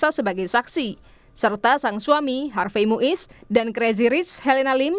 diperiksa sebagai saksi serta sang suami harvey muiz dan crazy rich helena lim